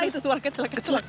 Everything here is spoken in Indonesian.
apa itu suara kecelak kecelak